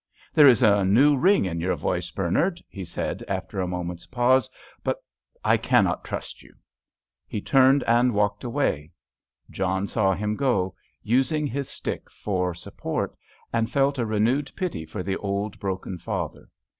"There is a new ring in your voice, Bernard," he said, after a moment's pause, "but I cannot trust you." He turned and walked away. John saw him go, using his stick for support, and felt a renewed pity for the old, broken father.